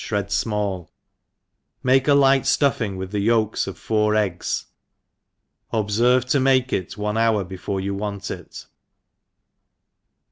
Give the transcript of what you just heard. Ihred fm all, make a light fluffing with the yolks of four eggSy obfervc to make it one hour before you want it.